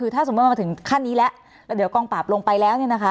ถ้าสมมติว่ามาถึงขั้นนี้และเดี๋ยวกองปราบลงไปแล้วนะคะ